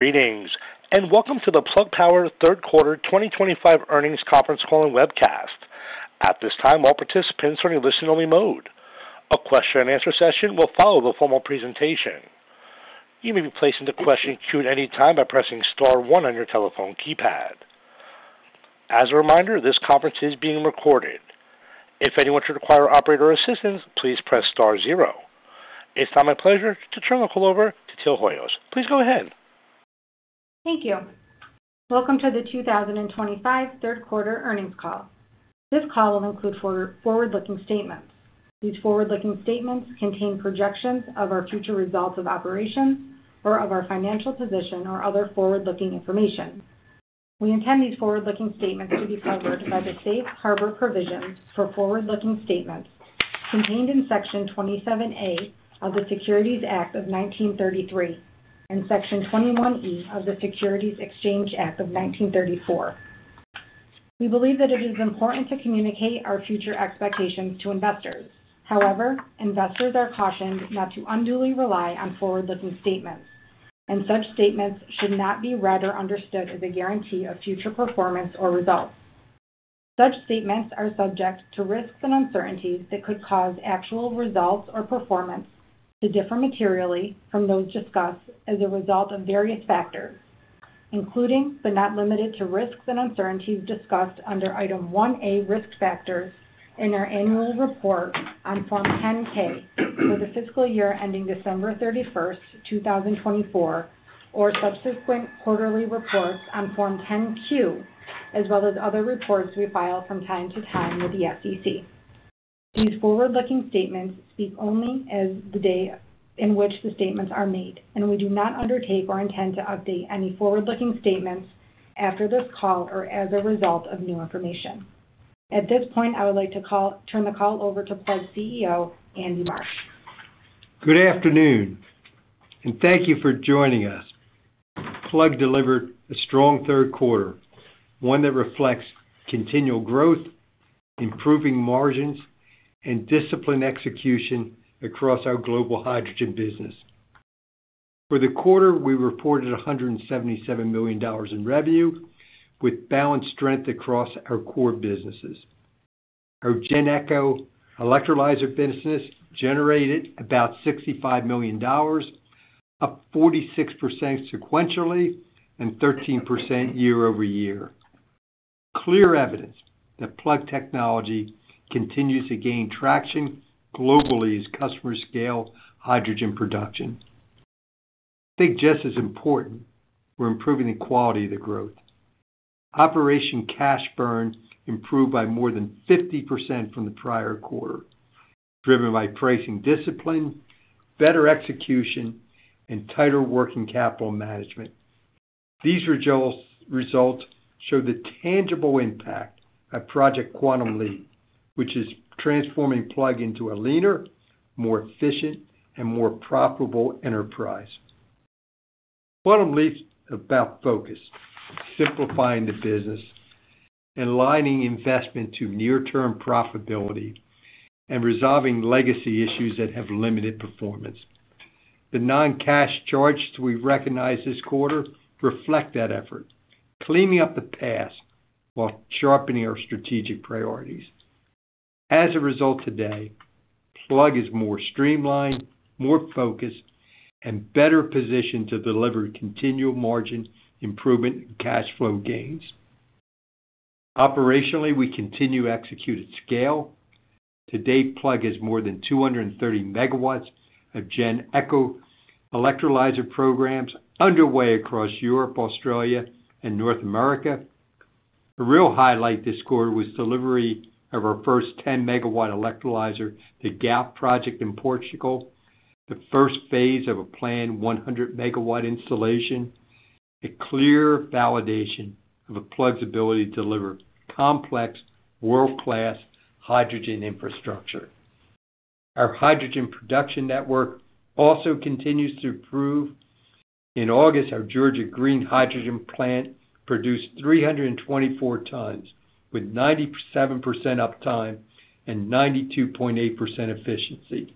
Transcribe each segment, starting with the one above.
Greetings and welcome to the Plug Power third quarter 2025 earnings conference call and webcast. At this time, all participants are in a listen-only mode. A question-and-answer session will follow the formal presentation. You may be placed into question queue at any time by pressing star one on your telephone keypad. As a reminder, this conference is being recorded. If anyone should require operator assistance, please press star zero. It's now my pleasure to turn the call over to Teal Hoyos. Please go ahead. Thank you. Welcome to the 2025 third quarter earnings call. This call will include forward-looking statements. These forward-looking statements contain projections of our future results of operations or of our financial position or other forward-looking information. We intend these forward-looking statements to be covered by the Safe Harbor Provisions for Forward-Looking Statements contained in Section 27A of the Securities Act of 1933 and Section 21E of the Securities Exchange Act of 1934. We believe that it is important to communicate our future expectations to investors. However, investors are cautioned not to unduly rely on forward-looking statements, and such statements should not be read or understood as a guarantee of future performance or results. Such statements are subject to risks and uncertainties that could cause actual results or performance to differ materially from those discussed as a result of various factors, including but not limited to risks and uncertainties discussed under Item 1A Risk Factors in our annual report on Form 10-K for the fiscal year ending December 31st, 2024, or subsequent quarterly reports on Form 10-Q, as well as other reports we file from time to time with the SEC. These forward-looking statements speak only as the day in which the statements are made, and we do not undertake or intend to update any forward-looking statements after this call or as a result of new information. At this point, I would like to turn the call over to Plug CEO Andy Marsh. Good afternoon, and thank you for joining us. Plug delivered a strong third quarter, one that reflects continual growth, improving margins, and disciplined execution across our global hydrogen business. For the quarter, we reported $177 million in revenue, with balanced strength across our core businesses. Our GenEco electrolyzer business generated about $65 million, up 46% sequentially and 13% year-over-year. Clear evidence that Plug technology continues to gain traction globally as customers scale hydrogen production. I think just as important, we're improving the quality of the growth. Operating cash burn improved by more than 50% from the prior quarter, driven by pricing discipline, better execution, and tighter working capital management. These results show the tangible impact of Project Quantum Leap, which is transforming Plug into a leaner, more efficient, and more profitable enterprise. Quantum Leap's about focus, simplifying the business, aligning investment to near-term profitability, and resolving legacy issues that have limited performance. The non-cash charges we recognize this quarter reflect that effort, cleaning up the past while sharpening our strategic priorities. As a result today, Plug is more streamlined, more focused, and better positioned to deliver continual margin improvement and cash flow gains. Operationally, we continue to execute at scale. Today, Plug has more than 230 MW of GenEco electrolyzer programs underway across Europe, Australia, and North America. A real highlight this quarter was delivery of our first 10 MW electrolyzer, the Galp project in Portugal, the first phase of a planned 100 MW installation, a clear validation of Plug's ability to deliver complex, world-class hydrogen infrastructure. Our hydrogen production network also continues to improve. In August, our Georgia Green Hydrogen Plant produced 324 tons, with 97% uptime and 92.8% efficiency,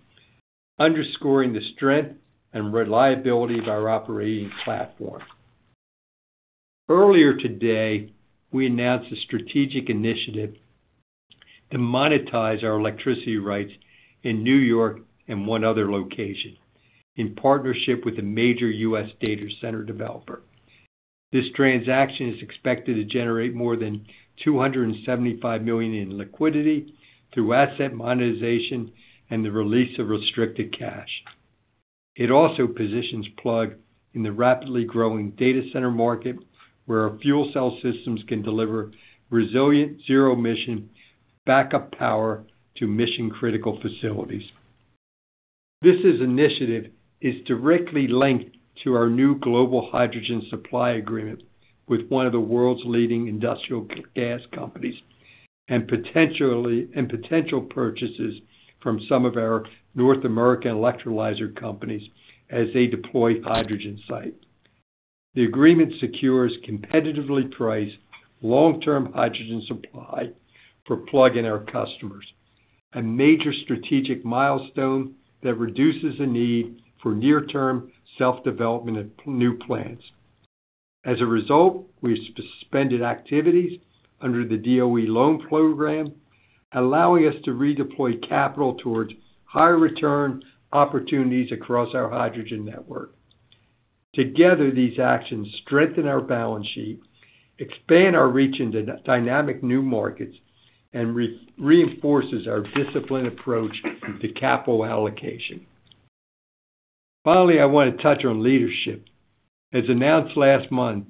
underscoring the strength and reliability of our operating platform. Earlier today, we announced a strategic initiative to monetize our electricity rights in New York and one other location in partnership with a major U.S. data center developer. This transaction is expected to generate more than $275 million in liquidity through asset monetization and the release of restricted cash. It also positions Plug in the rapidly growing data center market, where our fuel cell systems can deliver resilient zero-emission backup power to mission-critical facilities. This initiative is directly linked to our new global hydrogen supply agreement with one of the world's leading industrial gas companies and potential purchases from some of our North American electrolyzer companies as they deploy hydrogen sites. The agreement secures competitively priced long-term hydrogen supply for Plug and our customers, a major strategic milestone that reduces the need for near-term self-development at new plants. As a result, we've suspended activities under the DOE loan program, allowing us to redeploy capital towards higher return opportunities across our hydrogen network. Together, these actions strengthen our balance sheet, expand our reach into dynamic new markets, and reinforce our disciplined approach to capital allocation. Finally, I want to touch on leadership. As announced last month,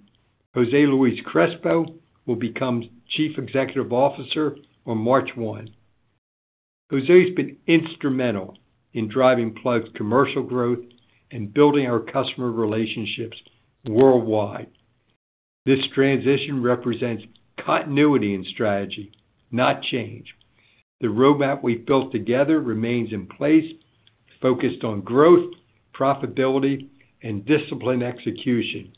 Jose Luis Crespo will become Chief Executive Officer on March 1. Jose has been instrumental in driving Plug's commercial growth and building our customer relationships worldwide. This transition represents continuity in strategy, not change. The roadmap we've built together remains in place, focused on growth, profitability, and discipline execution.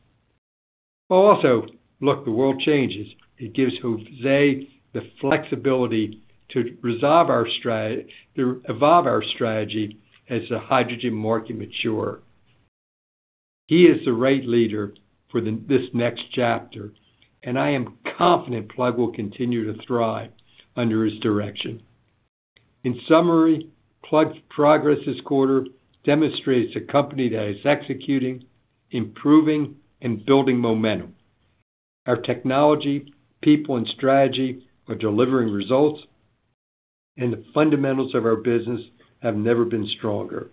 Also, look, the world changes. It gives Jose the flexibility to evolve our strategy as the hydrogen market matures. He is the right leader for this next chapter, and I am confident Plug will continue to thrive under his direction. In summary, Plug's progress this quarter demonstrates a company that is executing, improving, and building momentum. Our technology, people, and strategy are delivering results, and the fundamentals of our business have never been stronger.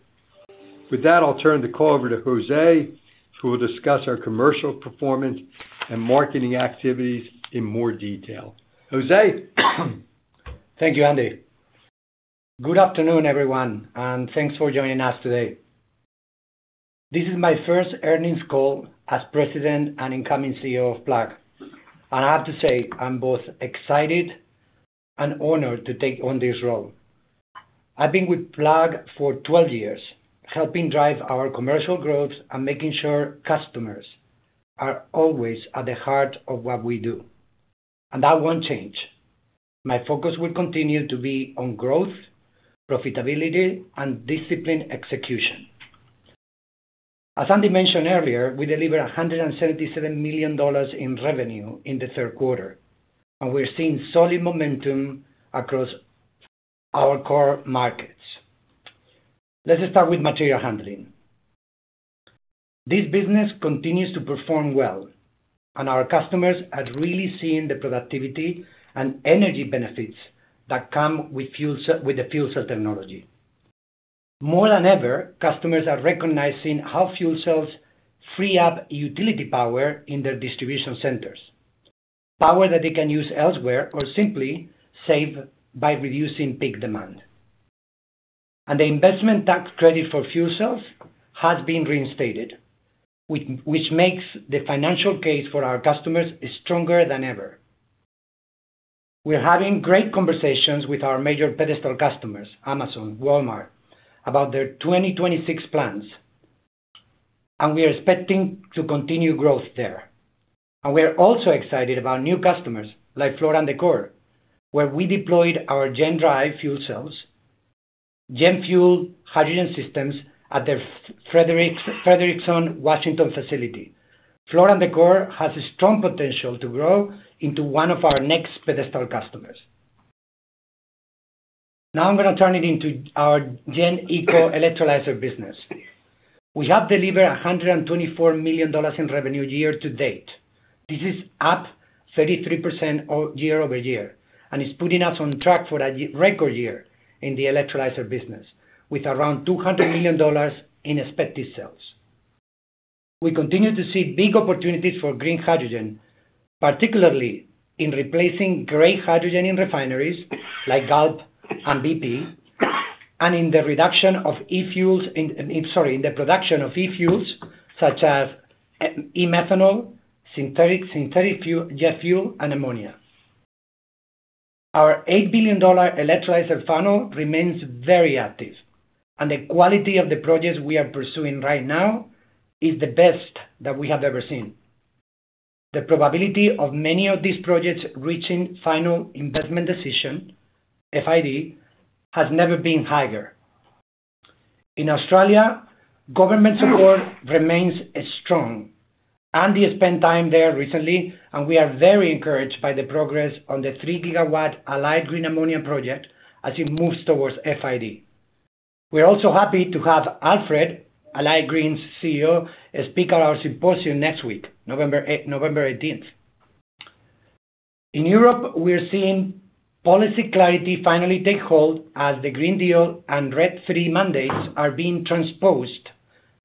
With that, I'll turn the call over to Jose, who will discuss our commercial performance and marketing activities in more detail. Jose. Thank you, Andy. Good afternoon, everyone, and thanks for joining us today. This is my first earnings call as President and incoming CEO of Plug, and I have to say I'm both excited and honored to take on this role. I've been with Plug for 12 years, helping drive our commercial growth and making sure customers are always at the heart of what we do. That won't change. My focus will continue to be on growth, profitability, and discipline execution. As Andy mentioned earlier, we delivered $177 million in revenue in the third quarter, and we're seeing solid momentum across our core markets. Let's start with material handling. This business continues to perform well, and our customers are really seeing the productivity and energy benefits that come with the fuel cell technology. More than ever, customers are recognizing how fuel cells free up utility power in their distribution centers, power that they can use elsewhere or simply save by reducing peak demand. The investment tax credit for fuel cells has been reinstated, which makes the financial case for our customers stronger than ever. We're having great conversations with our major pedestal customers, Amazon, Walmart, about their 2026 plans, and we are expecting to continue growth there. We're also excited about new customers like Floor & Decor, where we deployed our GenDrive fuel cells, GenFuel hydrogen systems at their Frederickson, Washington facility. Floor & Decor has a strong potential to grow into one of our next pedestal customers. Now I'm going to turn it into our GenEco electrolyzer business. We have delivered $124 million in revenue year to date. This is up 33% year-over-year and is putting us on track for a record year in the electrolyzer business with around $200 million in expected sales. We continue to see big opportunities for green hydrogen, particularly in replacing gray hydrogen in refineries like Galp and BP, and in the production of Efuels such as e-methanol, synthetic jet fuel, and ammonia. Our $8 billion electrolyzer funnel remains very active, and the quality of the projects we are pursuing right now is the best that we have ever seen. The probability of many of these projects reaching final investment decision, FID, has never been higher. In Australia, government support remains strong. Andy spent time there recently, and we are very encouraged by the progress on the 3-gigawatt Allied Green Ammonia project as it moves towards FID. We're also happy to have Alfred, Allied Green Ammonia's CEO, speak at our symposium next week, November 18th. In Europe, we're seeing policy clarity finally take hold as the Green Deal and RED III mandates are being transposed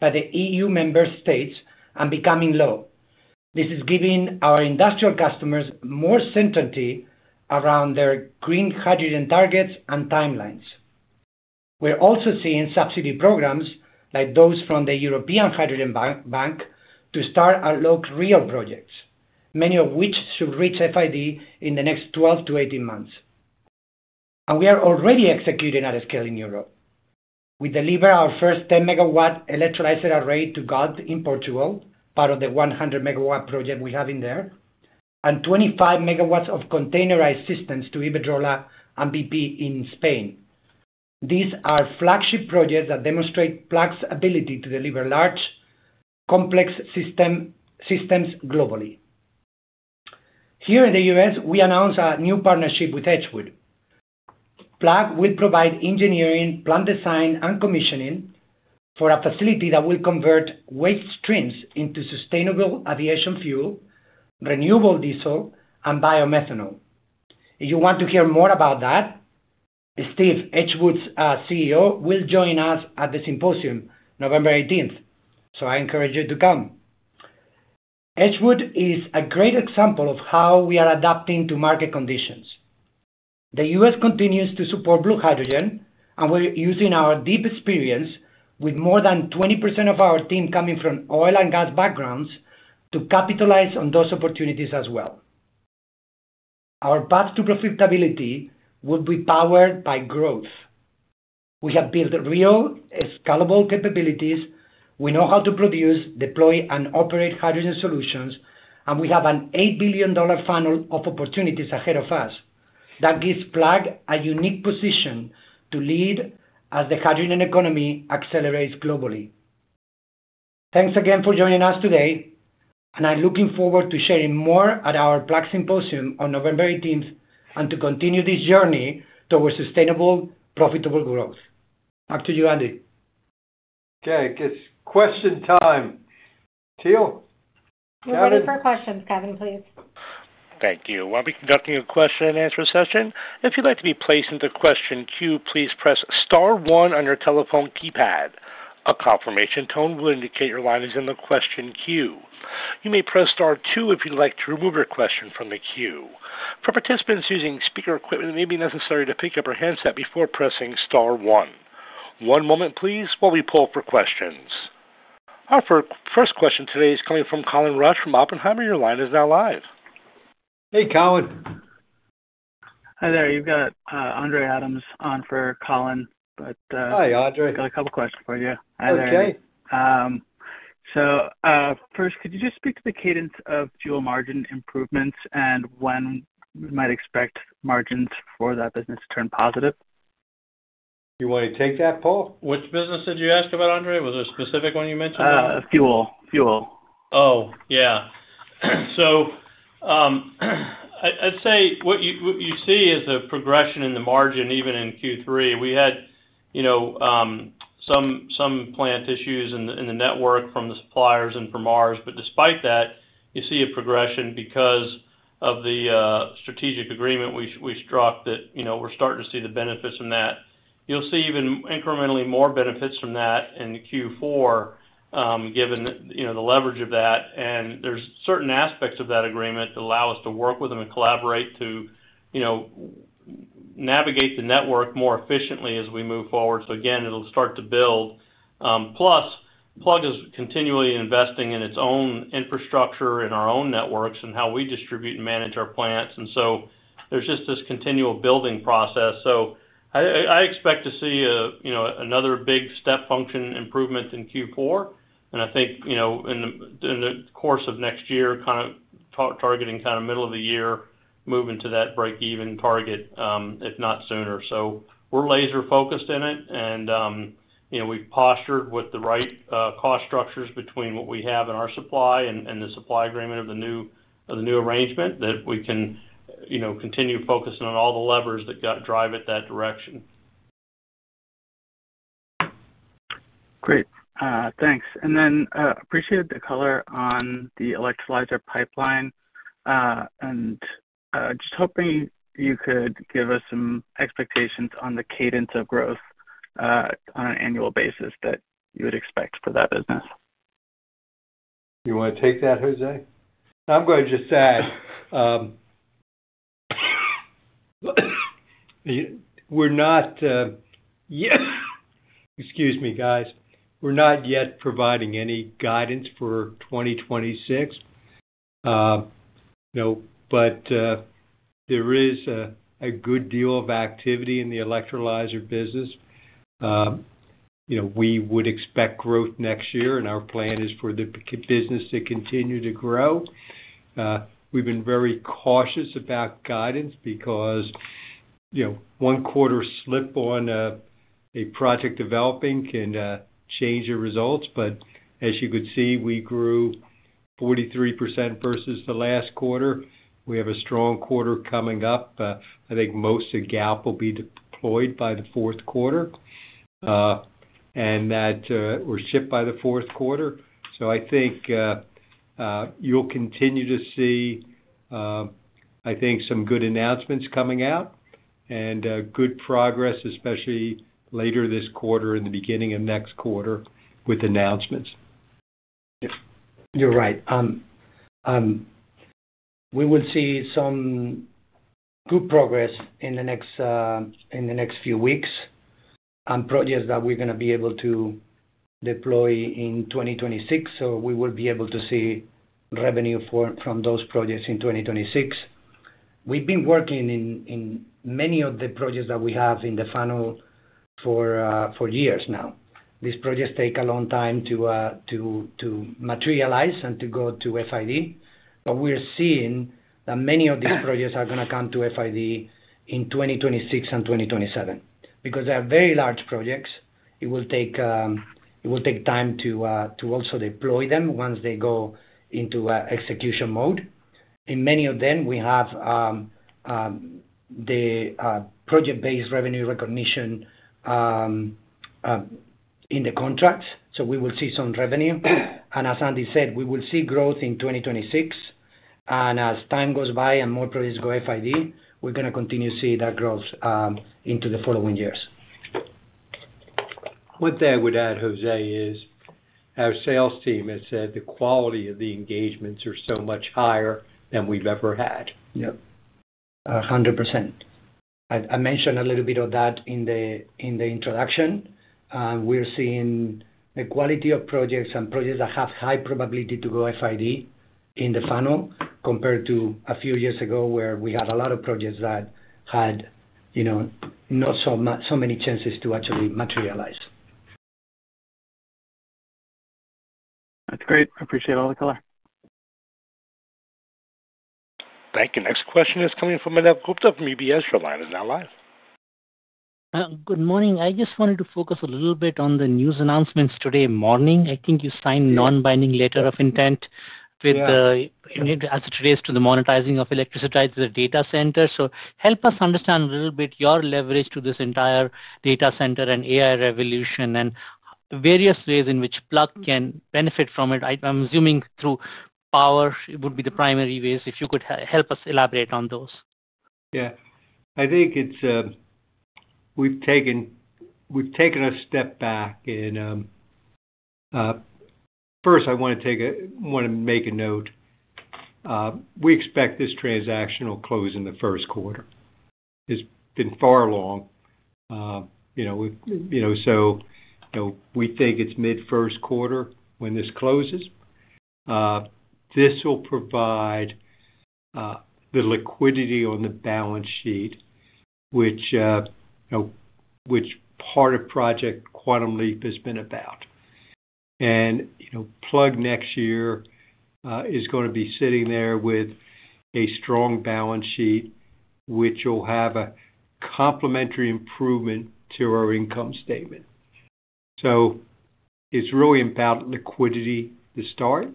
by the EU member states and becoming law. This is giving our industrial customers more certainty around their green hydrogen targets and timelines. We're also seeing subsidy programs like those from the European Hydrogen Bank to start our local real projects, many of which should reach FID in the next 12-18 months. We are already executing at a scale in Europe. We delivered our first 10 MW electrolyzer array to Galp in Portugal, part of the 100 MW project we have there, and 25 MW of containerized systems to Iberdrola and BP in Spain. These are flagship projects that demonstrate Plug's ability to deliver large, complex systems globally. Here in the U.S., we announced a new partnership with Edgewood. Plug will provide engineering, plant design, and commissioning for a facility that will convert waste streams into sustainable aviation fuel, renewable diesel, and biomethanol. If you want to hear more about that, Steve, Edgewood's CEO, will join us at the symposium November 18th, so I encourage you to come. Edgewood is a great example of how we are adapting to market conditions. The U.S. continues to support blue hydrogen, and we're using our deep experience with more than 20% of our team coming from oil and gas backgrounds to capitalize on those opportunities as well. Our path to profitability will be powered by growth. We have built real, scalable capabilities. We know how to produce, deploy, and operate hydrogen solutions, and we have an $8 billion funnel of opportunities ahead of us. That gives Plug a unique position to lead as the hydrogen economy accelerates globally. Thanks again for joining us today, and I'm looking forward to sharing more at our Plug symposium on November 18th and to continue this journey towards sustainable, profitable growth. Back to you, Andy. Okay, it's question time. Teal? We're ready for questions, Kevin, please. Thank you. We'll be conducting a question-and-answer session. If you'd like to be placed in the question queue, please press star one on your telephone keypad. A confirmation tone will indicate your line is in the question queue. You may press star two if you'd like to remove your question from the queue. For participants using speaker equipment, it may be necessary to pick up your handset before pressing star one. One moment, please, while we pull up for questions. Our first question today is coming from Colin Rusch from Oppenheimer. Your line is now live. Hey, Colin. Hi there. You've got Andre Adams on for Colin. Hi, Andre. Got a couple of questions for you. Okay. Could you just speak to the cadence of fuel margin improvements and when we might expect margins for that business to turn positive? You want to take that poll? Which business did you ask about, Andre? Was there a specific one you mentioned? Fuel. Fuel. Oh, yeah. I'd say what you see is a progression in the margin, even in Q3. We had some plant issues in the network from the suppliers and from ours, but despite that, you see a progression because of the strategic agreement we struck that we're starting to see the benefits from. You'll see even incrementally more benefits from that in Q4, given the leverage of that. There are certain aspects of that agreement that allow us to work with them and collaborate to navigate the network more efficiently as we move forward. Again, it'll start to build. Plus, Plug is continually investing in its own infrastructure and our own networks and how we distribute and manage our plants. There is just this continual building process. I expect to see another big step function improvement in Q4, and I think in the course of next year, kind of targeting kind of middle of the year, moving to that break-even target, if not sooner. We are laser-focused in it, and we have postured with the right cost structures between what we have in our supply and the supply agreement of the new arrangement that we can continue focusing on all the levers that drive it that direction. Great. Thanks. I appreciate the color on the electrolyzer pipeline and just hoping you could give us some expectations on the cadence of growth on an annual basis that you would expect for that business. You want to take that, Jose? I'm going to just say we're not yet—excuse me, guys—we're not yet providing any guidance for 2026, but there is a good deal of activity in the electrolyzer business. We would expect growth next year, and our plan is for the business to continue to grow. We've been very cautious about guidance because one quarter slip on a project developing can change your results. As you could see, we grew 43% versus the last quarter. We have a strong quarter coming up. I think most of Galp will be deployed by the fourth quarter, and that we're shipped by the fourth quarter. I think you'll continue to see, I think, some good announcements coming out and good progress, especially later this quarter and the beginning of next quarter with announcements. You're right. We will see some good progress in the next few weeks on projects that we're going to be able to deploy in 2026. We will be able to see revenue from those projects in 2026. We've been working in many of the projects that we have in the funnel for years now. These projects take a long time to materialize and to go to FID, but we're seeing that many of these projects are going to come to FID in 2026 and 2027 because they are very large projects. It will take time to also deploy them once they go into execution mode. In many of them, we have the project-based revenue recognition in the contracts. We will see some revenue. As Andy said, we will see growth in 2026. As time goes by and more projects go FID, we're going to continue to see that growth into the following years. What I would add, Jose, is our sales team has said the quality of the engagements are so much higher than we've ever had. Yep. 100%. I mentioned a little bit of that in the introduction. We're seeing the quality of projects and projects that have high probability to go FID in the funnel compared to a few years ago where we had a lot of projects that had not so many chances to actually materialize. That's great. I appreciate all the color. Thank you. Next question is coming from Manav Gupta from UBS. Now live. Good morning. I just wanted to focus a little bit on the news announcements today morning. I think you signed a non-binding letter of intent as it relates to the monetizing of electricity data centers. Help us understand a little bit your leverage to this entire data center and AI revolution and various ways in which Plug can benefit from it. I'm assuming through power would be the primary ways. If you could help us elaborate on those. Yeah. I think we've taken a step back. First, I want to make a note. We expect this transactional close in the first quarter. It's been far along. We think it's mid-first quarter when this closes. This will provide the liquidity on the balance sheet, which part of Project Quantum Leap has been about. Plug next year is going to be sitting there with a strong balance sheet, which will have a complementary improvement to our income statement. It's really about liquidity to start.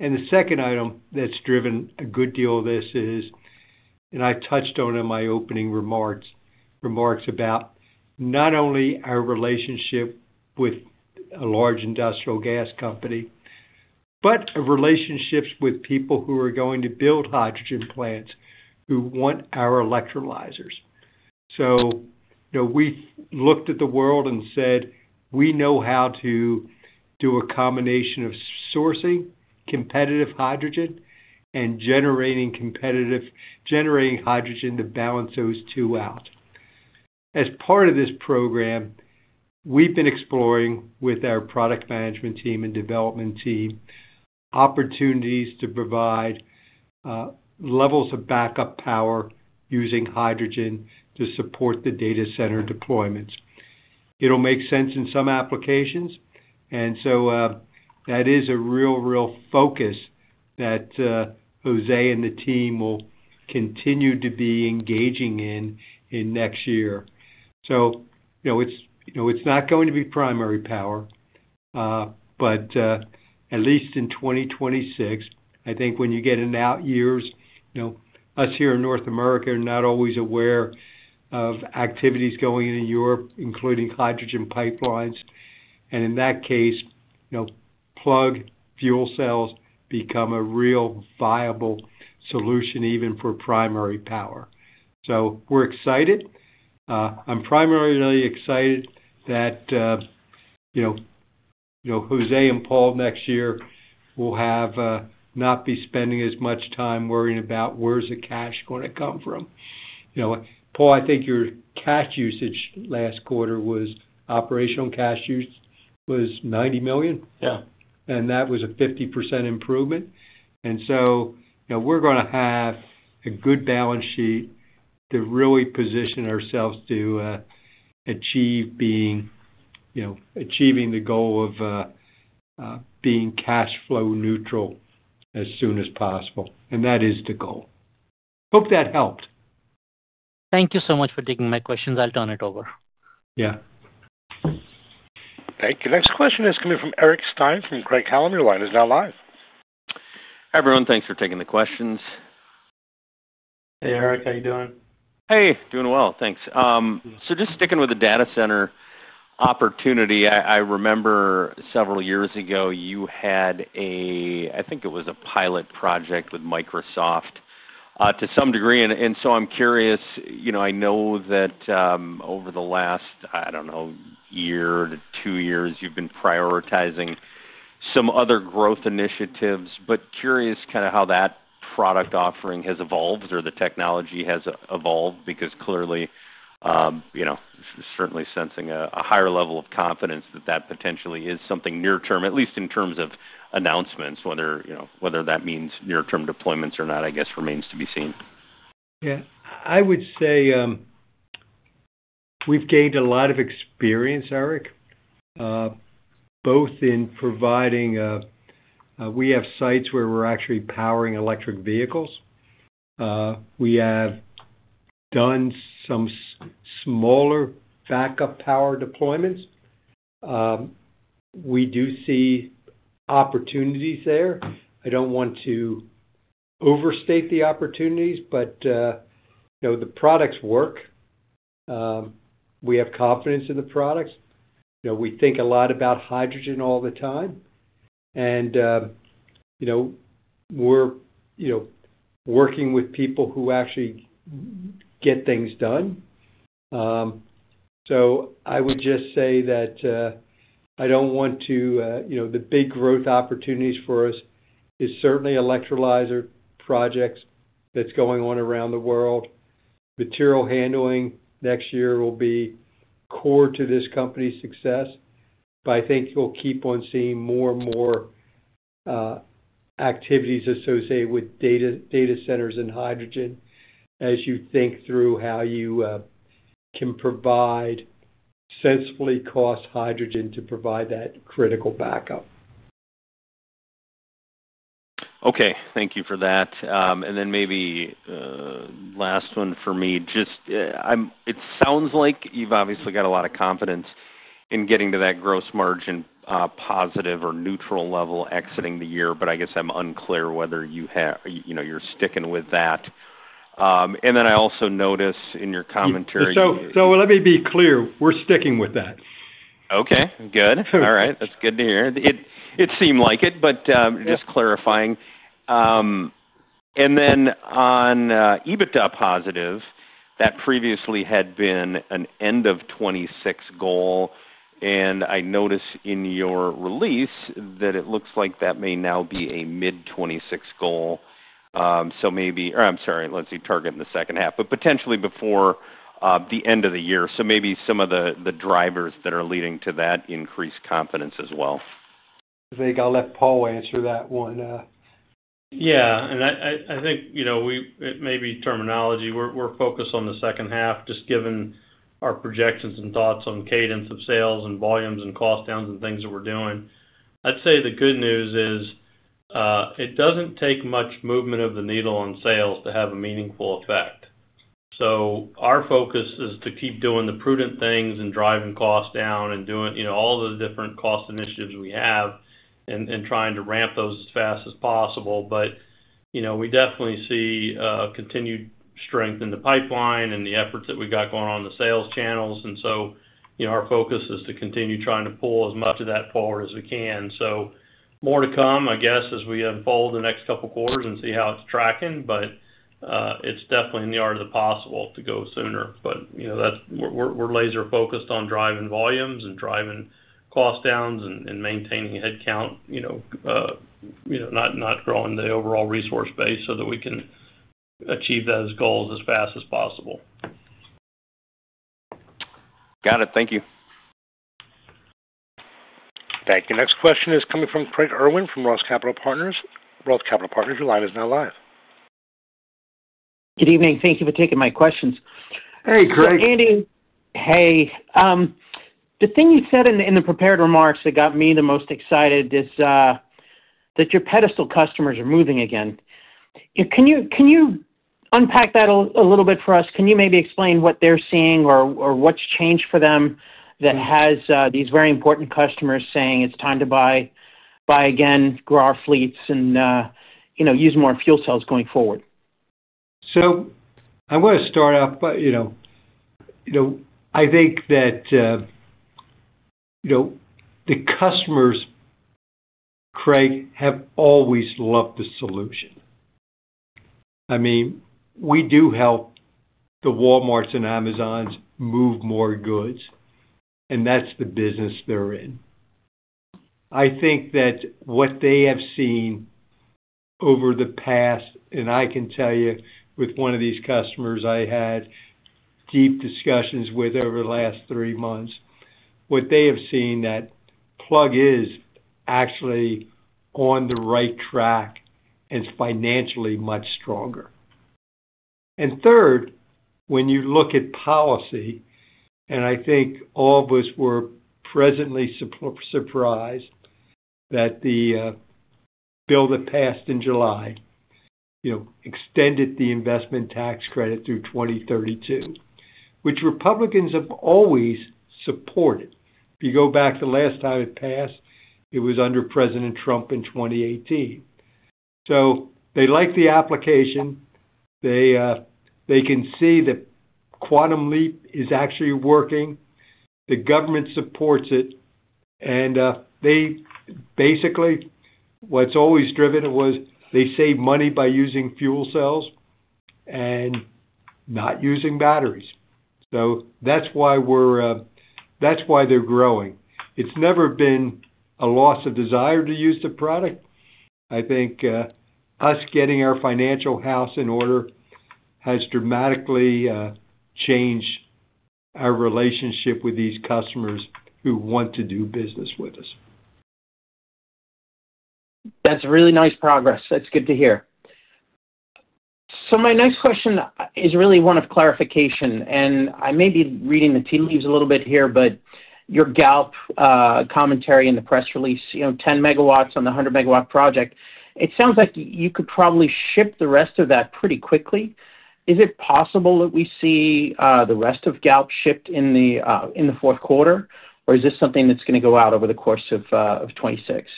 The second item that's driven a good deal of this is, and I touched on it in my opening remarks, remarks about not only our relationship with a large industrial gas company, but relationships with people who are going to build hydrogen plants who want our electrolyzers. We looked at the world and said, "We know how to do a combination of sourcing competitive hydrogen and generating hydrogen to balance those two out." As part of this program, we've been exploring with our product management team and development team opportunities to provide levels of backup power using hydrogen to support the data center deployments. It'll make sense in some applications. That is a real, real focus that Jose and the team will continue to be engaging in next year. It's not going to be primary power, but at least in 2026, I think when you get in out years, us here in North America are not always aware of activities going into Europe, including hydrogen pipelines. In that case, Plug fuel cells become a real viable solution even for primary power. We're excited. I'm primarily excited that Jose and Paul next year will not be spending as much time worrying about where's the cash going to come from. Paul, I think your cash usage last quarter was operational cash use was $90 million. Yeah. That was a 50% improvement. We are going to have a good balance sheet to really position ourselves to achieve being cash flow neutral as soon as possible. That is the goal. Hope that helped. Thank you so much for taking my questions. I'll turn it over. Yeah. Thank you. Next question is coming from Eric Stine from Craig-Hallum. Your line is now live. Hi everyone. Thanks for taking the questions. Hey, Eric. How you doing? Hey. Doing well. Thanks. Just sticking with the data center opportunity, I remember several years ago you had a, I think it was a pilot project with Microsoft to some degree. I am curious, I know that over the last, I do not know, year to two years, you have been prioritizing some other growth initiatives, but curious kind of how that product offering has evolved or the technology has evolved because clearly certainly sensing a higher level of confidence that that potentially is something near term, at least in terms of announcements, whether that means near-term deployments or not, I guess remains to be seen. Yeah. I would say we've gained a lot of experience, Eric, both in providing we have sites where we're actually powering electric vehicles. We have done some smaller backup power deployments. We do see opportunities there. I don't want to overstate the opportunities, but the products work. We have confidence in the products. We think a lot about hydrogen all the time. We're working with people who actually get things done. I would just say that I don't want to the big growth opportunities for us is certainly electrolyzer projects that's going on around the world. Material handling next year will be core to this company's success. I think you'll keep on seeing more and more activities associated with data centers and hydrogen as you think through how you can provide sensibly cost hydrogen to provide that critical backup. Okay. Thank you for that. Maybe last one for me. It sounds like you have obviously got a lot of confidence in getting to that gross margin positive or neutral level exiting the year, but I guess I am unclear whether you are sticking with that. I also notice in your commentary. Let me be clear. We're sticking with that. Okay. Good. All right. That's good to hear. It seemed like it, but just clarifying. On EBITDA positive, that previously had been an end of 2026 goal. I notice in your release that it looks like that may now be a mid-2026 goal. Maybe, or I'm sorry, let's see, target in the second half, but potentially before the end of the year. Maybe some of the drivers that are leading to that increased confidence as well. Jose, I'll let Paul answer that one. Yeah. I think it may be terminology. We're focused on the second half just given our projections and thoughts on cadence of sales and volumes and cost downs and things that we're doing. I'd say the good news is it does not take much movement of the needle on sales to have a meaningful effect. Our focus is to keep doing the prudent things and driving costs down and doing all the different cost initiatives we have and trying to ramp those as fast as possible. We definitely see continued strength in the pipeline and the efforts that we've got going on the sales channels. Our focus is to continue trying to pull as much of that forward as we can. More to come, I guess, as we unfold the next couple of quarters and see how it's tracking. It is definitely in the art of the possible to go sooner. We are laser-focused on driving volumes and driving cost downs and maintaining headcount, not growing the overall resource base so that we can achieve those goals as fast as possible. Got it. Thank you. Thank you. Next question is coming from Craig Irwin from Roth Capital Partners. Roth Capital Partners, your line is now live. Good evening. Thank you for taking my questions. Hey, Craig. Hey. Hey. The thing you said in the prepared remarks that got me the most excited is that your pedestal customers are moving again. Can you unpack that a little bit for us? Can you maybe explain what they're seeing or what's changed for them that has these very important customers saying, "It's time to buy again, grow our fleets, and use more fuel cells going forward?" I want to start off. I think that the customers, Craig, have always loved the solution. I mean, we do help the Walmarts and Amazons move more goods, and that's the business they're in. I think that what they have seen over the past, and I can tell you with one of these customers I had deep discussions with over the last three months, what they have seen is that Plug is actually on the right track and is financially much stronger. Third, when you look at policy, I think all of us were pleasantly surprised that the bill that passed in July extended the investment tax credit through 2032, which Republicans have always supported. If you go back, the last time it passed was under President Trump in 2018. They like the application. They can see that Quantum Leap is actually working. The government supports it. Basically, what's always driven it was they save money by using fuel cells and not using batteries. That's why they're growing. It's never been a loss of desire to use the product. I think us getting our financial house in order has dramatically changed our relationship with these customers who want to do business with us. That's really nice progress. That's good to hear. My next question is really one of clarification. I may be reading the tea leaves a little bit here, but your Galp commentary in the press release, 10 MW on the 100 MW project, it sounds like you could probably ship the rest of that pretty quickly. Is it possible that we see the rest of Galp shipped in the fourth quarter, or is this something that's going to go out over the course of 2026?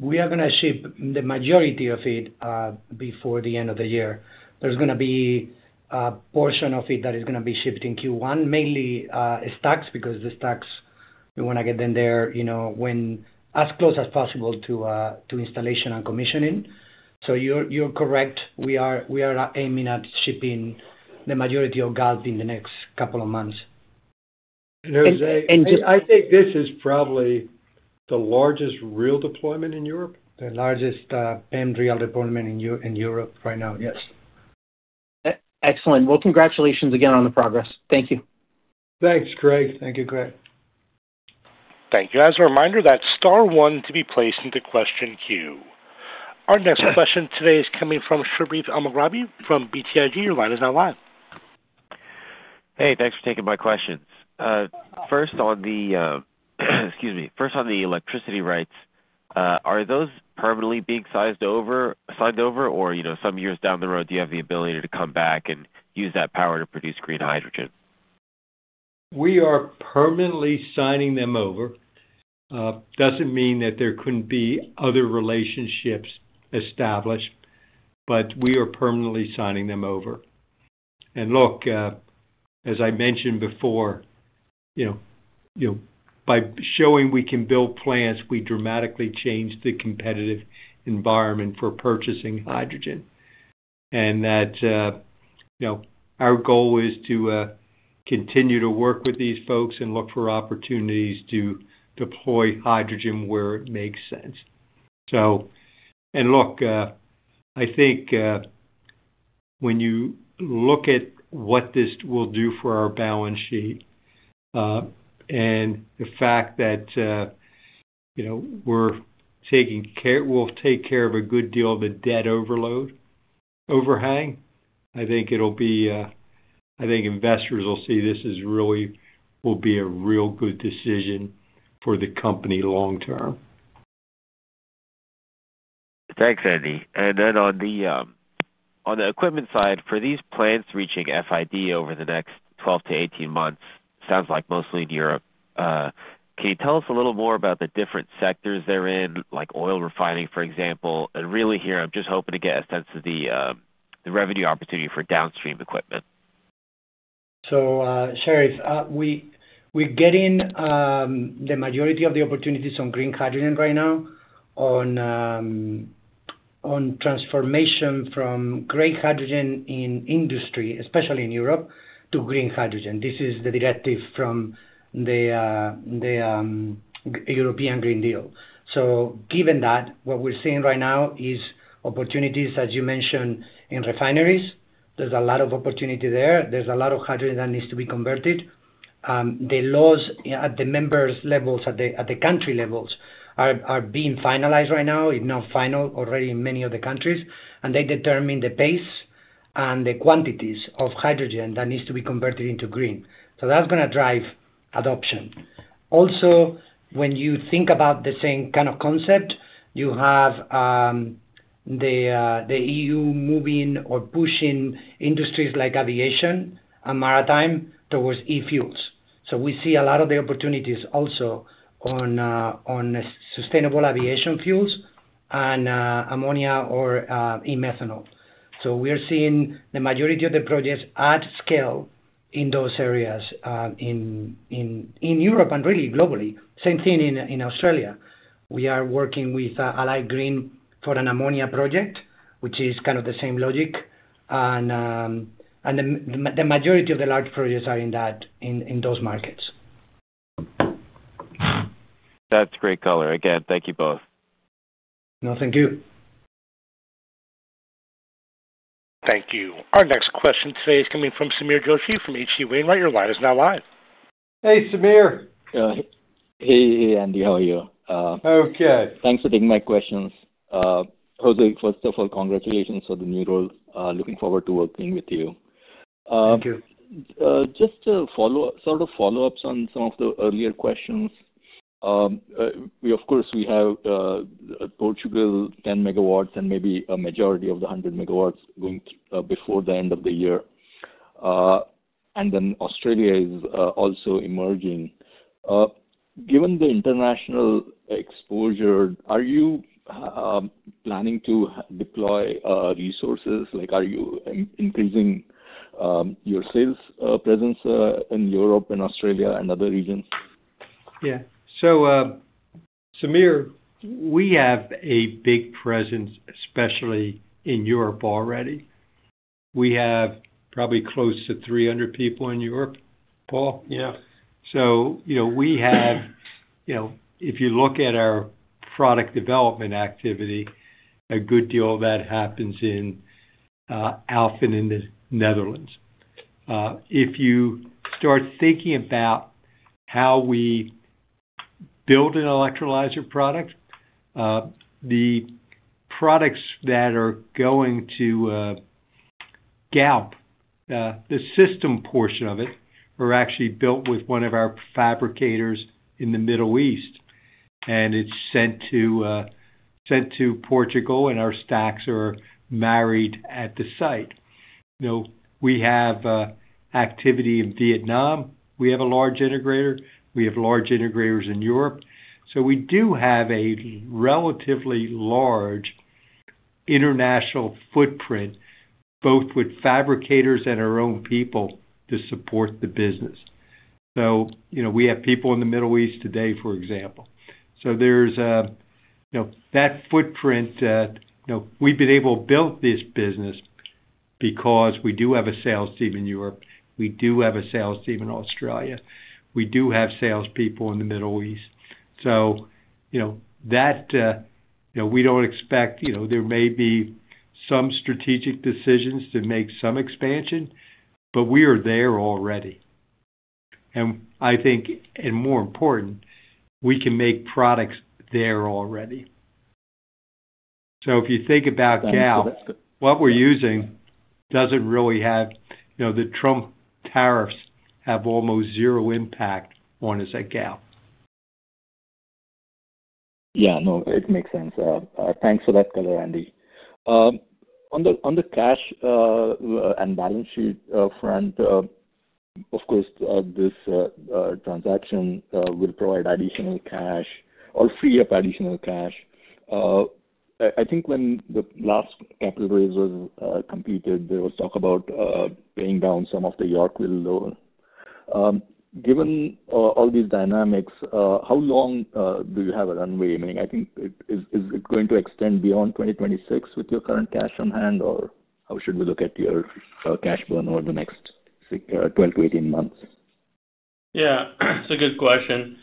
We are going to ship the majority of it before the end of the year. There's going to be a portion of it that is going to be shipped in Q1, mainly stocks because the stocks, we want to get them there as close as possible to installation and commissioning. You are correct. We are aiming at shipping the majority of Galp in the next couple of months. Jose, I think this is probably the largest real deployment in Europe. The largest PEM real deployment in Europe right now? Yes. Excellent. Congratulations again on the progress. Thank you. Thanks, Craig. Thank you, Craig. Thank you. As a reminder, that's star one to be placed into question queue. Our next question today is coming from Sherif Elmaghrabi from BTIG. Your line is now live. Hey, thanks for taking my questions. First on the, excuse me, first on the electricity rights, are those permanently being signed over, or some years down the road, do you have the ability to come back and use that power to produce green hydrogen? We are permanently signing them over. Does not mean that there could not be other relationships established, but we are permanently signing them over. Look, as I mentioned before, by showing we can build plants, we dramatically change the competitive environment for purchasing hydrogen. Our goal is to continue to work with these folks and look for opportunities to deploy hydrogen where it makes sense. I think when you look at what this will do for our balance sheet and the fact that we will take care of a good deal of the debt overload overhang, I think investors will see this will be a real good decision for the company long term. Thanks, Andy. Then on the equipment side, for these plants reaching FID over the next 12-18 months, sounds like mostly in Europe, can you tell us a little more about the different sectors they're in, like oil refining, for example? Really here, I'm just hoping to get a sense of the revenue opportunity for downstream equipment. Sherif, we're getting the majority of the opportunities on green hydrogen right now on transformation from gray hydrogen in industry, especially in Europe, to green hydrogen. This is the directive from the European Green Deal. Given that, what we're seeing right now is opportunities, as you mentioned, in refineries. There's a lot of opportunity there. There's a lot of hydrogen that needs to be converted. The laws at the members' levels, at the country levels, are being finalized right now, if not final already in many of the countries. They determine the pace and the quantities of hydrogen that need to be converted into green. That's going to drive adoption. Also, when you think about the same kind of concept, you have the EU moving or pushing industries like aviation and maritime towards Efuels. We see a lot of the opportunities also on sustainable aviation fuels and ammonia or e-methanol. We are seeing the majority of the projects at scale in those areas in Europe and really globally. Same thing in Australia. We are working with Allied Green Ammonia for an ammonia project, which is kind of the same logic. The majority of the large projects are in those markets. That's great color. Again, thank you both. No, thank you. Thank you. Our next question today is coming from Sameer Joshi from H.C. Wainwright. Your line is now live. Hey, Sameer. Hey, Andy. How are you? Okay. Thanks for taking my questions. Jose, first of all, congratulations on the new role. Looking forward to working with you. Thank you. Just sort of follow-ups on some of the earlier questions. Of course, we have Portugal 10 MW and maybe a majority of the 100 MW going before the end of the year. Australia is also emerging. Given the international exposure, are you planning to deploy resources? Are you increasing your sales presence in Europe and Australia and other regions? Yeah. Sameer, we have a big presence, especially in Europe already. We have probably close to 300 people in Europe, Paul. Yeah. We have, if you look at our product development activity, a good deal of that happens in Alphen aan den Rijn in the Netherlands. If you start thinking about how we build an electrolyzer product, the products that are going to Galp, the system portion of it, are actually built with one of our fabricators in the Middle East. It is sent to Portugal, and our stacks are married at the site. We have activity in Vietnam. We have a large integrator. We have large integrators in Europe. We do have a relatively large international footprint, both with fabricators and our own people to support the business. We have people in the Middle East today, for example. There is that footprint. We have been able to build this business because we do have a sales team in Europe. We do have a sales team in Australia. We do have salespeople in the Middle East. We do not expect there may be some strategic decisions to make some expansion, but we are there already. I think, more important, we can make products there already. If you think about Galp, what we are using does not really have the Trump tariffs, have almost zero impact on us at Galp. Yeah. No, it makes sense. Thanks for that color, Andy. On the cash and balance sheet front, of course, this transaction will provide additional cash or free up additional cash. I think when the last capital raise was completed, there was talk about paying down some of the Yorkville loan. Given all these dynamics, how long do you have a runway? I mean, I think is it going to extend beyond 2026 with your current cash on hand, or how should we look at your cash burn over the next 12-18 months? Yeah. It's a good question.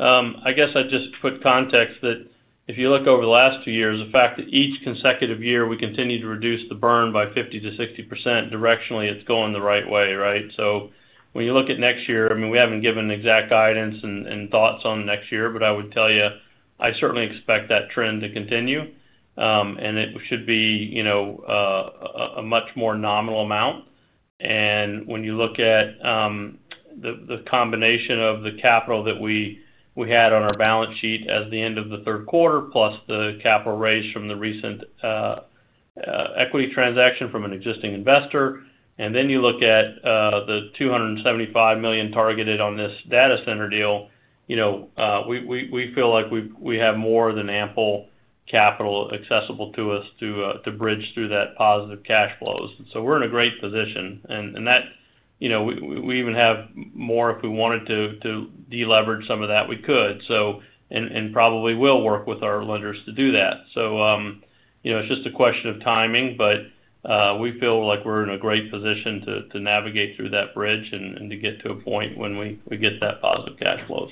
I guess I'd just put context that if you look over the last two years, the fact that each consecutive year we continue to reduce the burn by 50%-60% directionally, it's going the right way, right? When you look at next year, I mean, we haven't given exact guidance and thoughts on next year, but I would tell you I certainly expect that trend to continue. It should be a much more nominal amount. When you look at the combination of the capital that we had on our balance sheet as the end of the third quarter, plus the capital raised from the recent equity transaction from an existing investor, and then you look at the $275 million targeted on this data center deal, we feel like we have more than ample capital accessible to us to bridge through that positive cash flows. We are in a great position. We even have more if we wanted to deleverage some of that, we could. We probably will work with our lenders to do that. It is just a question of timing, but we feel like we are in a great position to navigate through that bridge and to get to a point when we get that positive cash flows.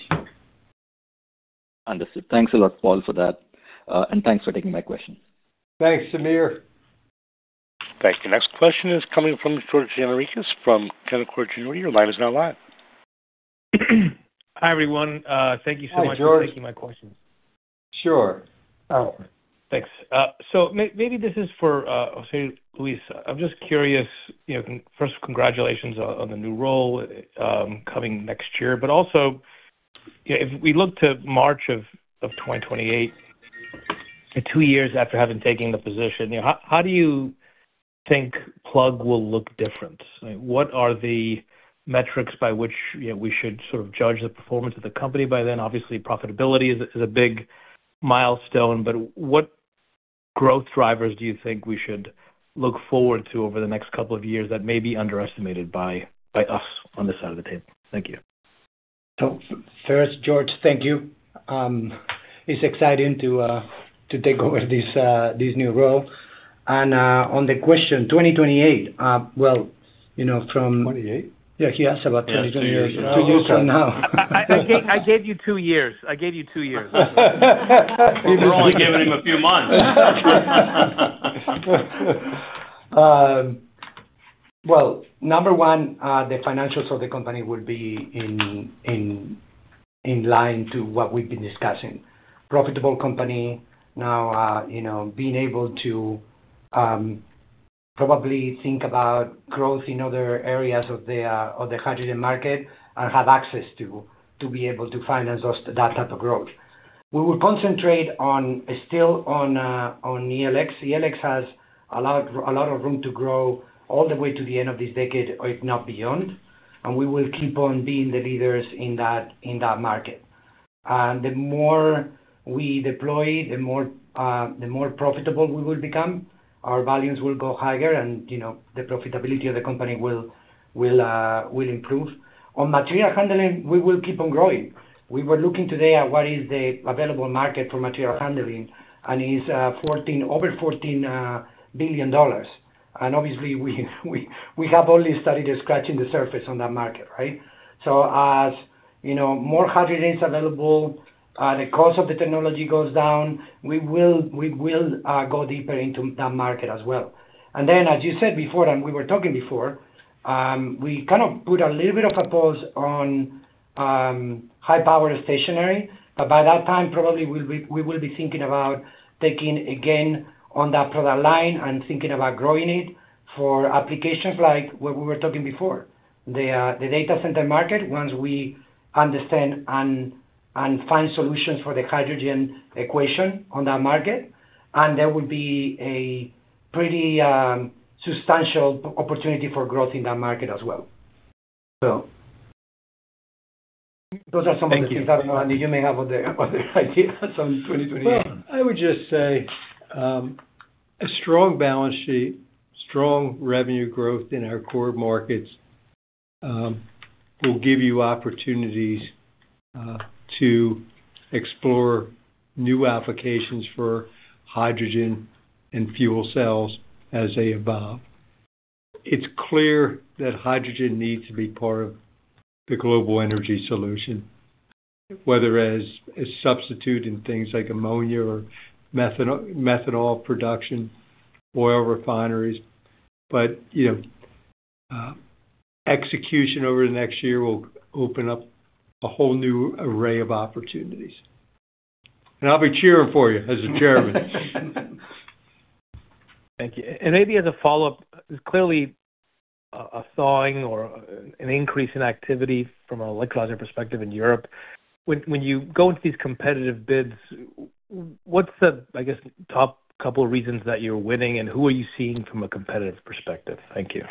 Understood. Thanks a lot, Paul, for that. Thanks for taking my question. Thanks, Sameer. Thank you. Next question is coming from George Gianarikas from Jefferies. Your line is now live. Hi, everyone. Thank you so much for taking my questions. Sure. Thanks. Maybe this is for Jose Luis. I'm just curious. First, congratulations on the new role coming next year. If we look to March of 2028, two years after having taken the position, how do you think Plug will look different? What are the metrics by which we should sort of judge the performance of the company by then? Obviously, profitability is a big milestone, but what growth drivers do you think we should look forward to over the next couple of years that may be underestimated by us on this side of the table? Thank you. First, George, thank you. He's excited to take over this new role. On the question, 2028, from. 2028? Yeah, he asked about 2028. Two years from now. I gave you two years. I gave you two years. You've only given him a few months. Number one, the financials of the company will be in line to what we've been discussing. Profitable company now, being able to probably think about growth in other areas of the hydrogen market and have access to be able to finance that type of growth. We will concentrate still on ELX. ELX has a lot of room to grow all the way to the end of this decade, if not beyond. We will keep on being the leaders in that market. The more we deploy, the more profitable we will become. Our values will go higher, and the profitability of the company will improve. On material handling, we will keep on growing. We were looking today at what is the available market for material handling, and it is over $14 billion. Obviously, we have only started scratching the surface on that market, right? As more hydrogen is available, the cost of the technology goes down, we will go deeper into that market as well. As you said before, and we were talking before, we kind of put a little bit of a pause on high-powered stationary. By that time, probably we will be thinking about taking again on that product line and thinking about growing it for applications like what we were talking before. The data center market, once we understand and find solutions for the hydrogen equation on that market, there will be a pretty substantial opportunity for growth in that market as well. Those are some of the things that, Andy, you may have other ideas on 2028. I would just say a strong balance sheet, strong revenue growth in our core markets will give you opportunities to explore new applications for hydrogen and fuel cells as they evolve. It is clear that hydrogen needs to be part of the global energy solution, whether as a substitute in things like ammonia or methanol production, oil refineries. Execution over the next year will open up a whole new array of opportunities. I will be cheering for you as a Chairman. Thank you. Maybe as a follow-up, clearly a thawing or an increase in activity from an electrolyzer perspective in Europe. When you go into these competitive bids, what are the, I guess, top couple of reasons that you are winning, and who are you seeing from a competitive perspective? Thank you.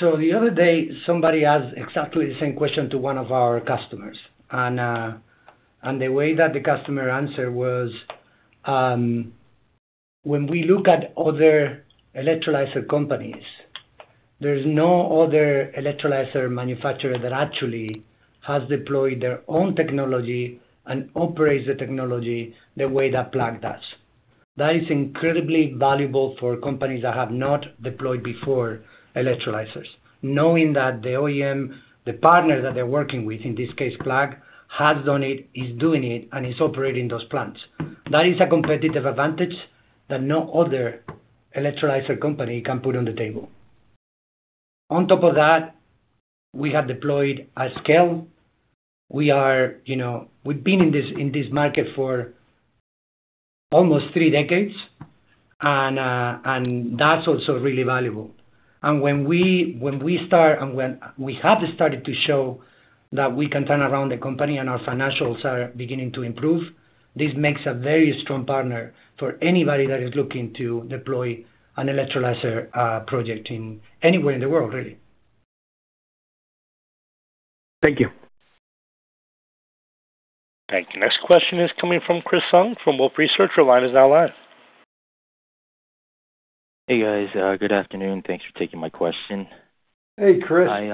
The other day, somebody asked exactly the same question to one of our customers. The way that the customer answered was, "When we look at other electrolyzer companies, there's no other electrolyzer manufacturer that actually has deployed their own technology and operates the technology the way that Plug does." That is incredibly valuable for companies that have not deployed before electrolyzers, knowing that the OEM, the partner that they're working with, in this case, Plug, has done it, is doing it, and is operating those plants. That is a competitive advantage that no other electrolyzer company can put on the table. On top of that, we have deployed at scale. We've been in this market for almost three decades, and that's also really valuable. When we have started to show that we can turn around the company and our financials are beginning to improve, this makes a very strong partner for anybody that is looking to deploy an electrolyzer project anywhere in the world, really. Thank you. Thank you. Next question is coming from Chris Senyek from Wolfe Research. Your line is now live. Hey, guys. Good afternoon. Thanks for taking my question. Hey, Chris. Hi,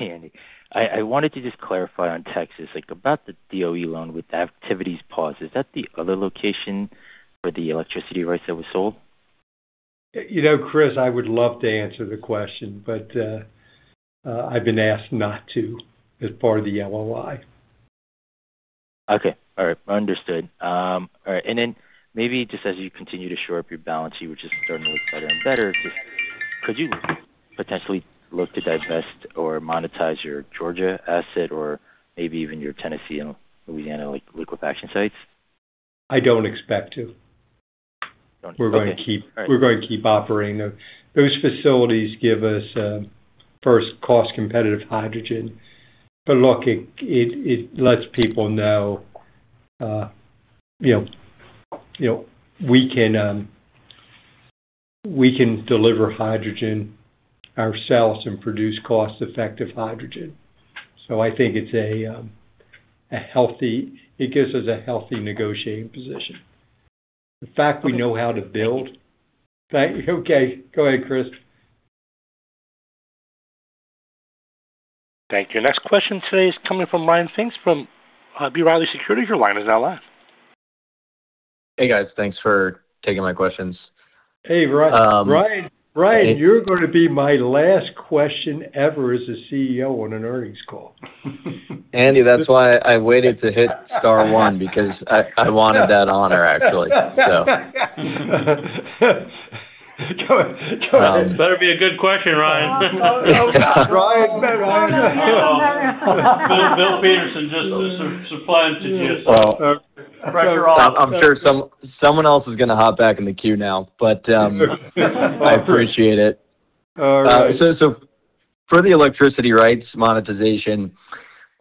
Andy. I wanted to just clarify on Texas. About the DOE loan with the activities pause, is that the other location for the electricity rights that was sold? Chris, I would love to answer the question, but I've been asked not to as part of the LOI. Okay. All right. Understood. All right. And then maybe just as you continue to shore up your balance sheet, which is starting to look better and better, could you potentially look to divest or monetize your Georgia asset or maybe even your Tennessee and Louisiana liquefaction sites? I don't expect to. We're going to keep offering. Those facilities give us, first, cost-competitive hydrogen. Look, it lets people know we can deliver hydrogen ourselves and produce cost-effective hydrogen. I think it gives us a healthy negotiating position. The fact we know how to build. Okay. Go ahead, Chris. Thank you. Next question today is coming from Ryan Pfingst from B. Riley Securities. Your line is now live. Hey, guys. Thanks for taking my questions. Hey, Ryan. Ryan, you're going to be my last question ever as a CEO on an earnings call. Andy, that's why I waited to hit star one because I wanted that honor, actually, so. That would be a good question, Ryan. Bill Peterson just supplied to Jason. I'm sure someone else is going to hop back in the queue now, but I appreciate it. All right. For the electricity rights monetization,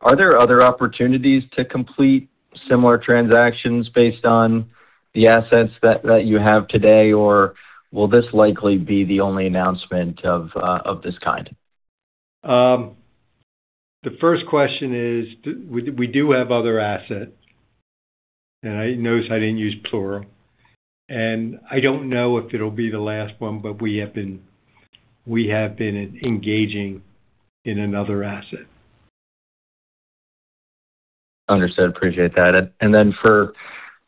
are there other opportunities to complete similar transactions based on the assets that you have today, or will this likely be the only announcement of this kind? The first question is we do have other assets. I noticed I didn't use plural. I don't know if it'll be the last one, but we have been engaging in another asset. Understood. Appreciate that.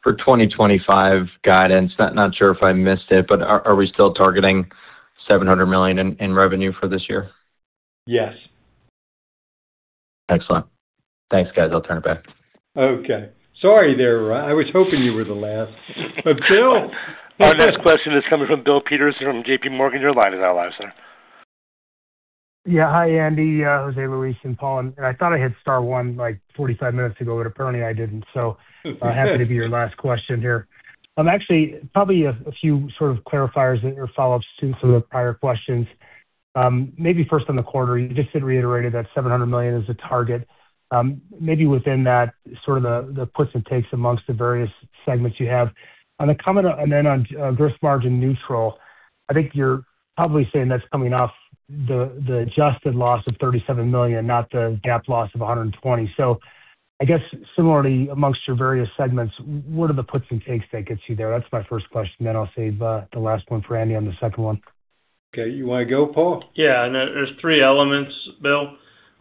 For 2025 guidance, not sure if I missed it, but are we still targeting $700 million in revenue for this year? Yes. Excellent. Thanks, guys. I'll turn it back. Okay. Sorry, there. I was hoping you were the last. Our next question is coming from Bill Peterson from JPMorgan. Your line is now live, sir. Yeah. Hi, Andy, Jose Luis, and Paul. I thought I had star one like 45 minutes ago, but apparently I did not. I happen to be your last question here. Actually, probably a few sort of clarifiers or follow-ups to some of the prior questions. Maybe first on the quarter, you just had reiterated that $700 million is a target. Maybe within that, sort of the puts and takes amongst the various segments you have. On gross margin neutral, I think you are probably saying that is coming off the adjusted loss of $37 million, not the GAAP loss of $120 million. I guess, similarly, amongst your various segments, what are the puts and takes that get you there? That is my first question. I will save the last one for Andy on the second one. Okay. You want to go, Paul? Yeah. There are three elements, Bill.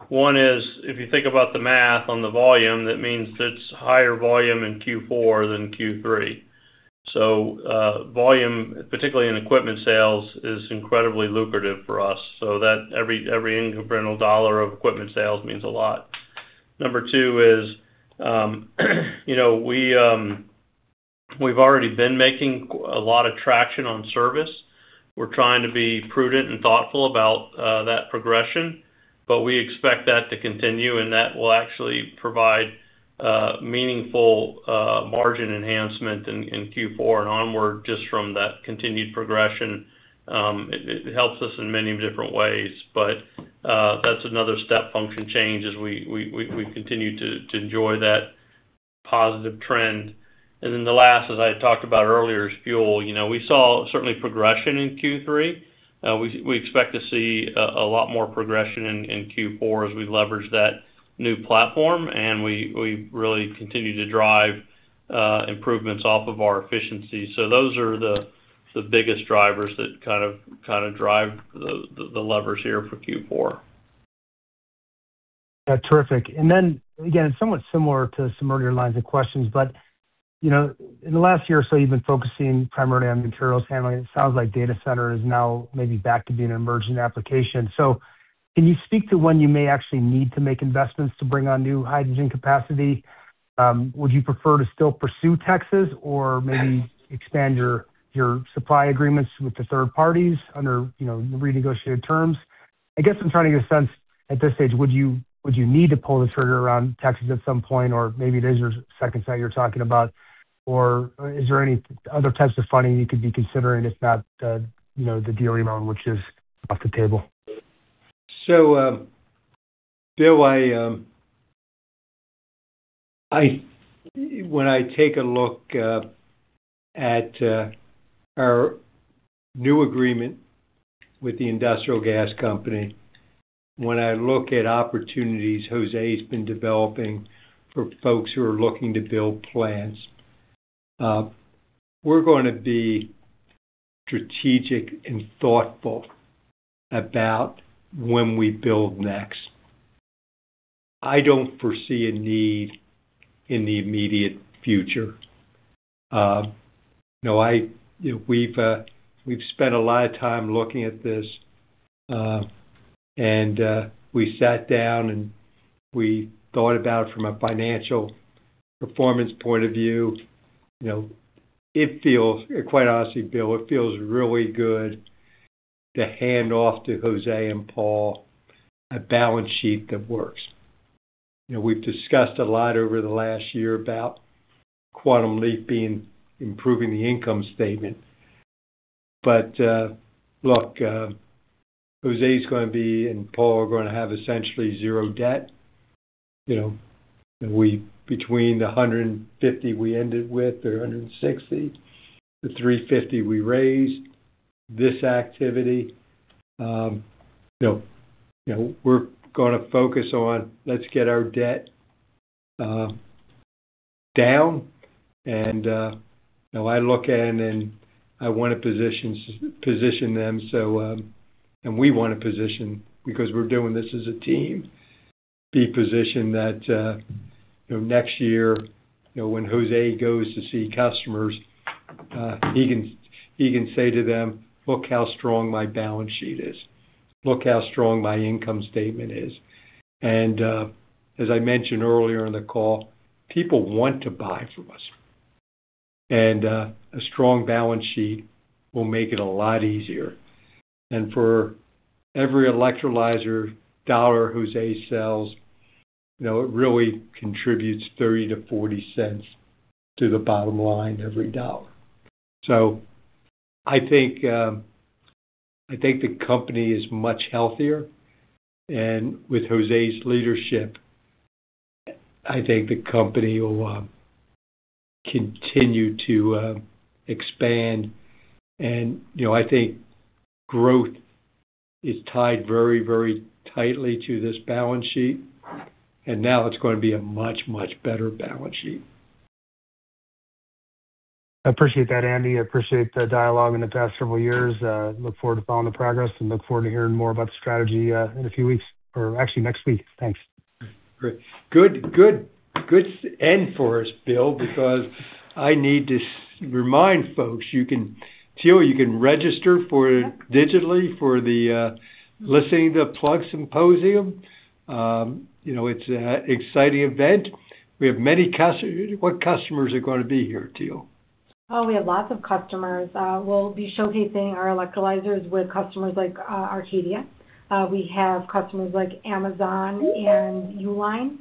One is, if you think about the math on the volume, that means it is higher volume in Q4 than Q3. So volume, particularly in equipment sales, is incredibly lucrative for us. Every incremental dollar of equipment sales means a lot. Number two is we have already been making a lot of traction on service. We are trying to be prudent and thoughtful about that progression, but we expect that to continue, and that will actually provide meaningful margin enhancement in Q4 and onward just from that continued progression. It helps us in many different ways, but that is another step function change as we continue to enjoy that positive trend. The last, as I talked about earlier, is fuel. We saw certainly progression in Q3. We expect to see a lot more progression in Q4 as we leverage that new platform, and we really continue to drive improvements off of our efficiencies. Those are the biggest drivers that kind of drive the levers here for Q4. Terrific. Again, it's somewhat similar to some earlier lines of questions, but in the last year or so, you've been focusing primarily on materials handling. It sounds like data center is now maybe back to being an emerging application. Can you speak to when you may actually need to make investments to bring on new hydrogen capacity? Would you prefer to still pursue Texas or maybe expand your supply agreements with the third parties under renegotiated terms? I guess I'm trying to get a sense at this stage, would you need to pull the trigger around Texas at some point, or maybe it is your second set you're talking about? Is there any other types of funding you could be considering, if not the DOE loan, which is off the table? Bill, when I take a look at our new agreement with the industrial gas company, when I look at opportunities Jose's been developing for folks who are looking to build plants, we're going to be strategic and thoughtful about when we build next. I don't foresee a need in the immediate future. We've spent a lot of time looking at this, and we sat down and we thought about it from a financial performance point of view. Quite honestly, Bill, it feels really good to hand off to Jose and Paul a balance sheet that works. We've discussed a lot over the last year about Quantum Leap improving the income statement. Look, Jose's going to be and Paul are going to have essentially zero debt. Between the $150 we ended with or $160, the $350 we raised this activity, we're going to focus on let's get our debt down. I look at it and I want to position them, and we want to position, because we're doing this as a team, be positioned that next year when Jose goes to see customers, he can say to them, "Look how strong my balance sheet is. Look how strong my income statement is." As I mentioned earlier in the call, people want to buy from us. A strong balance sheet will make it a lot easier. For every electrolyzer dollar Jose sells, it really contributes 30%-40% to the bottom line every dollar. I think the company is much healthier. With Jose's leadership, I think the company will continue to expand. I think growth is tied very, very tightly to this balance sheet. Now it's going to be a much, much better balance sheet. I appreciate that, Andy. I appreciate the dialogue in the past several years. Look forward to following the progress and look forward to hearing more about the strategy in a few weeks or actually next week. Thanks. Great. Good end for us, Bill, because I need to remind folks, Teal, you can register digitally for the listening to the Plug Symposium. It's an exciting event. We have many customers. What customers are going to be here, Teal? Oh, we have lots of customers. We'll be showcasing our electrolyzers with customers like Arcadia. We have customers like Amazon and Uline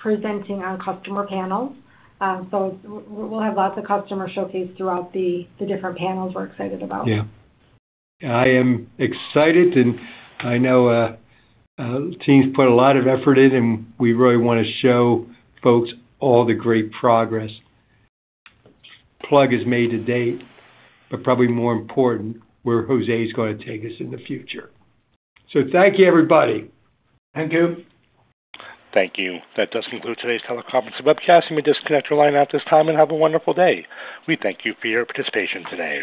presenting on customer panels. We will have lots of customers showcased throughout the different panels we are excited about. Yeah. I am excited, and I know the team's put a lot of effort in, and we really want to show folks all the great progress Plug has made to date, but probably more important, where Jose's going to take us in the future. Thank you, everybody. Thank you. Thank you. That does conclude today's teleconference and webcast. You may disconnect your line at this time and have a wonderful day. We thank you for your participation today.